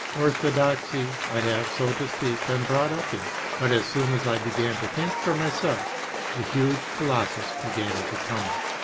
Orthodoxy I have so to speak been brought up in; but as soon as I began to think for myself, the huge Colossus began to tumble.